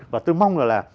và tôi mong là